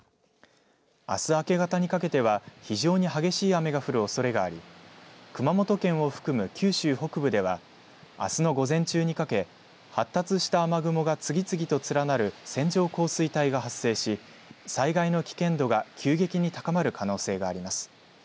あす明け方にかけては非常に激しい雨が降るおそれがあり熊本県を含む九州北部ではあすの午前中にかけ発達した雨雲が次々と連なる線状降水帯が発生し災害の危険度が急激に高まる可能性があります。